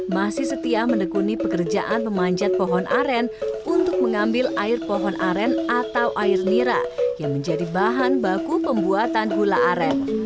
masih setia menekuni pekerjaan memanjat pohon aren untuk mengambil air pohon aren atau air nira yang menjadi bahan baku pembuatan gula aren